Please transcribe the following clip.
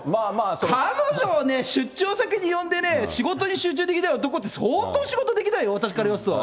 彼女を出張先に呼んでね、仕事に集中できない男ってね、相当仕事できないよ、私から言わすと。